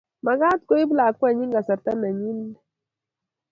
Makat koib lakwenyin kasarta nenyindet